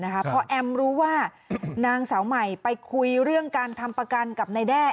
พอแอมรู้ว่านางสาวใหม่ไปคุยเรื่องการทำประกันกับนายแด้